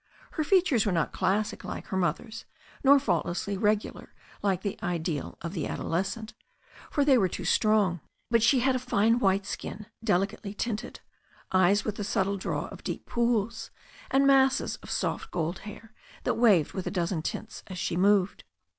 Her features were not classic like her mother's, nor faultlessly regular like the ideal of the adolescent, for they were too strong. But she had a fine white skin, delicately tinted, eyes with the Isubtle draw of deep pools, and masses of soft gold hair that waved with a dozen tints as she moved.